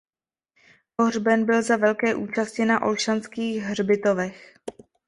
Pohřben byl za velké účasti na Olšanských hřbitovech.